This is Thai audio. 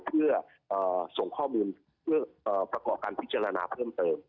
เพื่อส่งข้อมูลเพื่อประกอบการพิจารณาเพิ่มเติม